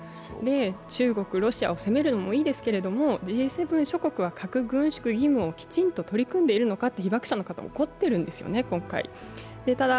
中国、ロシアを責めるのもいいですけれどもＧ７諸国は核軍縮義務をきちんと取り組んでいるのかと、被爆者の方、怒ってるんですよね、今回。